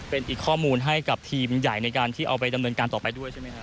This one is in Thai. เป็นอีกข้อมูลให้กับทีมใหญ่ในการที่เอาไปดำเนินการต่อไปด้วยใช่ไหมครับ